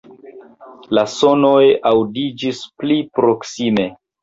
La sonoj aŭdiĝis pli proksime.